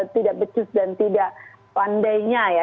tidak becus dan tidak pandainya ya